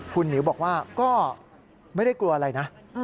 คุณหมิวบอกว่าก็ไม่ได้กลัวอะไรนะ